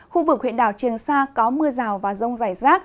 khu vực huyện đảo triền sa có mưa rào và rông dài rác